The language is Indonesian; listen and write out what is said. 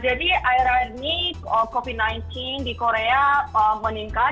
jadi akhir akhir ini covid sembilan belas di korea meningkat